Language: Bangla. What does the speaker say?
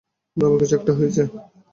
বাবার কিছু একটা হয়েছে।